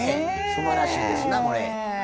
すばらしいですなこれ。